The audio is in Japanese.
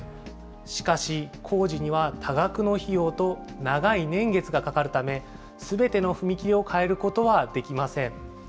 しかし工事には多額の費用と長い年月がかかるため、すべての踏切を変えることはできません。